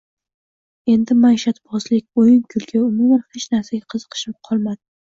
Endi maishatbozlik, o‘yin-kulgu, umuman, hech narsaga qiziqishim qolmadi